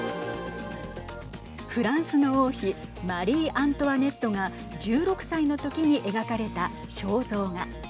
フランスの王妃マリー・アントワネットが１６歳のときに描かれた肖像画。